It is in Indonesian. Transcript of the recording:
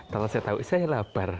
kalau saya tahu saya labar